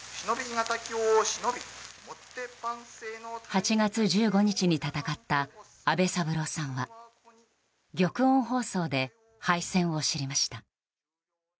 ８月１５日に戦った阿部三郎さんは玉音放送で敗戦を知りました。